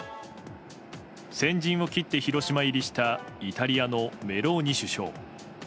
先陣を切って広島入りしたイタリアのメローニ首相。